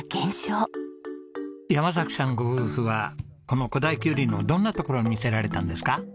山さんご夫婦はこの古太きゅうりのどんなところに魅せられたんですか？